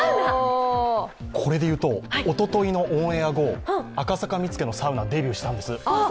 おとといのオンエア後、赤坂のサウナデビューしたんです。